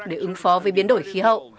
để ứng phó với biến đổi khí hậu